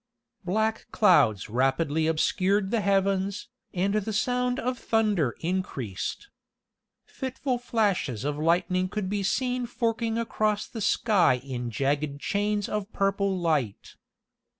Black clouds rapidly obscured the heavens, and the sound of thunder increased. Fitful flashes of lightning could be seen forking across the sky in jagged chains of purple light.